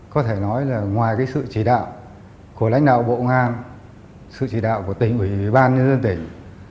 có thể nói là ngoài sự chỉ đạo của lãnh đạo bộ ngang sự chỉ đạo của tỉnh ủy ban nhân dân tỉnh